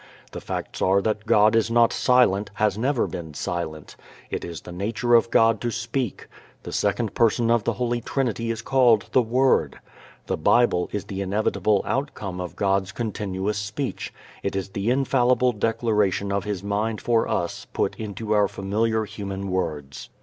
The facts are that God is not silent, has never been silent. It is the nature of God to speak. The second Person of the Holy Trinity is called the Word. The Bible is the inevitable outcome of God's continuous speech. It is the infallible declaration of His mind for us put into our familiar human words.